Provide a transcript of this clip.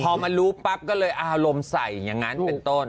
พอมารู้ปั๊บก็เลยอารมณ์ใส่อย่างนั้นเป็นต้น